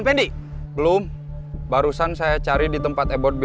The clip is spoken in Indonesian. minggir dulu ada telpon